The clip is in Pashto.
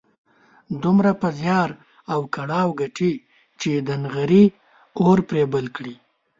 دومره په زيار او کړاو ګټي چې د نغري اور پرې بل کړي.